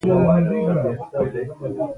اوبه یخې دي.